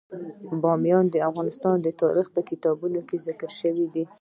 بامیان د افغان تاریخ په کتابونو کې ذکر شوی دي.